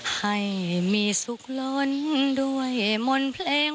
ให้มีสุขกัน